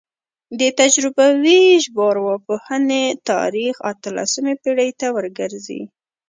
د تجربوي ژبارواپوهنې تاریخ اتلسمې پیړۍ ته ورګرځي